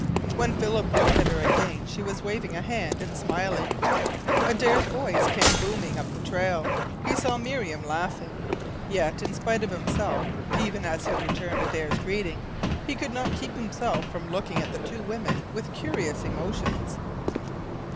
When Philip looked at her again she was waving a hand and smiling. Adare's voice came booming up the trail. He saw Miriam laughing. Yet in spite of himself even as he returned Adare's greeting he could not keep himself from looking at the two women with curious emotions.